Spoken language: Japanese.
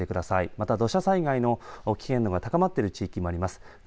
また、土砂災害の危険度が高まっている地域もあります。